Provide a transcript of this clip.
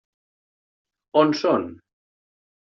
On són?